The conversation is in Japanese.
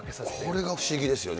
これ不思議ですよね。